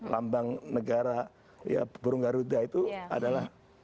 lambang negara ya burung garuda itu adalah